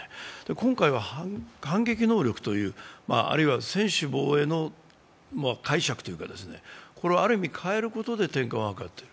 今回は反撃能力という、あるいは専守防衛の解釈というか、これをある意味変えることで転換を図っている。